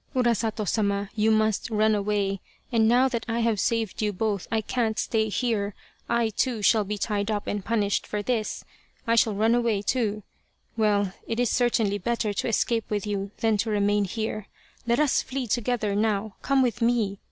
" Urasato Sama, you must run away, and now that I have saved you both I can't stay here. I, too, shall be tied up and punished for this. I shall run away, 155 Urasato, or the Crow of Dawn too ! Well, it is certainly better to escape with you than to remain here. Let us flee together now. Come with me.